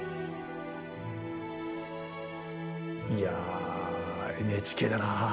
いやＮＨＫだなあ。